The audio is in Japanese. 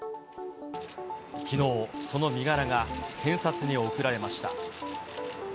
きのう、その身柄が検察に送られました。